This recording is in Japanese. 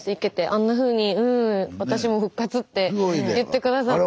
あんなふうに「私も復活」って言ってくださって。